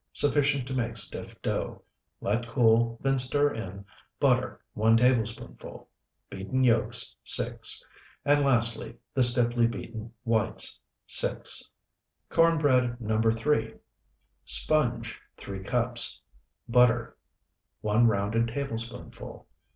sufficient to make stiff dough; let cool, then stir in Butter, 1 tablespoonful. Beaten yolks, 6. and lastly the Stiffly beaten whites, 6. CORN BREAD NO. 3 Sponge, 3 cups. Butter, 1 rounded tablespoonful.